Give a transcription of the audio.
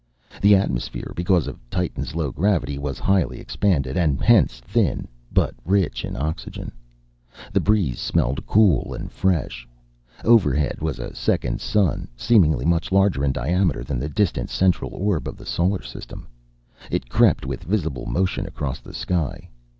The atmosphere, because of Titan's low gravity, was highly expanded and hence thin, but rich in oxygen. The breeze smelled cool and fresh. Overhead was a second sun, seemingly much larger in diameter than the distant central orb of the solar system. It crept with visible motion across the sky.